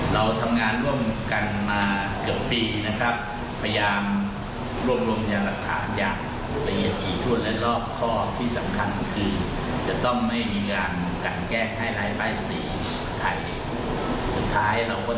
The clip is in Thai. เราทำงานร่วมกันมาเกือบปีนะครับ